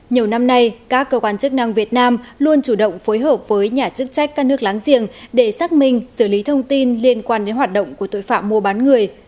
nhiều năm nay các cơ quan chức năng việt nam luôn chủ động phối hợp với nhà chức trách các nước láng giềng để xác minh xử lý thông tin liên quan đến hoạt động của tội phạm mua bán người